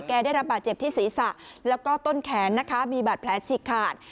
ได้รับบาดเจ็บที่ศีรษะแล้วก็ต้นแขนนะคะมีบาดแผลฉีกขาด